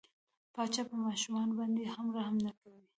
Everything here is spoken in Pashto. پاچا په ماشومان باندې هم رحم نه کوي.